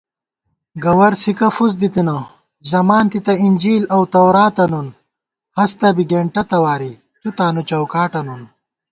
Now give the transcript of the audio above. گوَرڅھِکہ فُس دِتِتہ، ژمانتِتہ انجیل اؤ توراتہ نُن * ہستہ بی گېنٹہ تواری تُوتانُوچوکاٹہ نُن